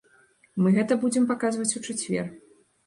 Мы гэта будзем паказваць у чацвер.